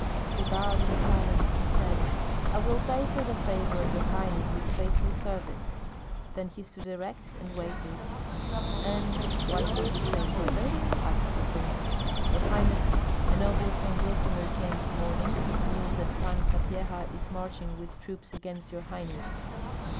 He bowed in silence, and said, "I will pay for the favor of your highness with faithful service." Then he stood erect and waited. "And what will you say further?" asked the prince. "Your highness, a noble from Vilkomir came this morning with news that Pan Sapyeha is marching with troops against your highness."